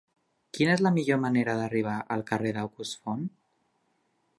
Quina és la millor manera d'arribar al carrer d'August Font?